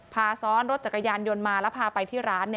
พาซ้อนรถจักรยานยนต์มาแล้วพาไปที่ร้าน